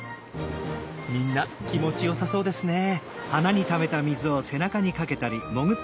みんな気持ちよさそうですね。